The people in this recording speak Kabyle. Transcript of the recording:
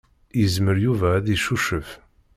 Yezmer Yuba ad icucef.